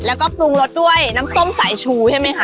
แล้วก็ปรุงรสด้วยน้ำส้มสายชูใช่ไหมคะ